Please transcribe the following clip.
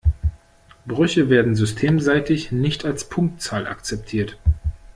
Brüche werden systemseitig nicht als Punktzahl akzeptiert.